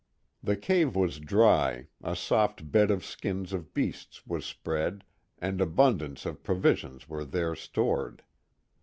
The cave was dry, a soft bed of skins of beasts was spread, and abundance of provisions were there stored.